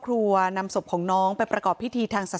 คุณยายบอกว่ารู้สึกเหมือนใครมายืนอยู่ข้างหลัง